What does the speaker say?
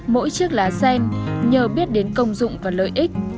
mỗi chiếc lá sen nhờ biết đến công dụng và lợi ích